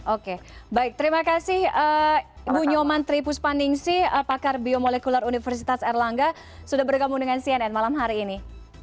oke baik terima kasih ibu nyoman tripuspaningsi pakar biomolekular universitas erlangga sudah bergabung dengan cnn malam hari ini